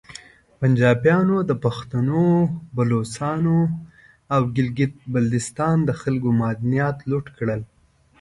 پنجابیانو د پختنو، بلوچانو او ګلګیت بلتیستان د خلکو معدنیات لوټ کړل